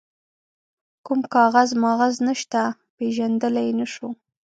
کوم کاغذ ماغذ نشته، پيژندلای يې نه شو.